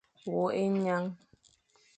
Wôkh ényan.